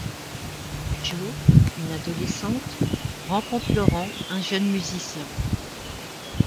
Jo, une adolescente, rencontre Laurent, un jeune musicien.